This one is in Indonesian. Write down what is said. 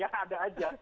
yang ada aja